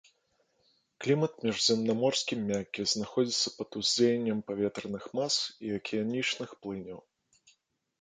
Клімат міжземнаморскі мяккі знаходзіцца пад уздзеяннем паветраных мас і акіянічных плыняў.